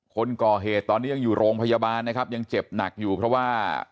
คนก่อเหตุตอนนี้ยังอยู่โรงพยาบาลนะครับยังเจ็บหนักอยู่เพราะว่า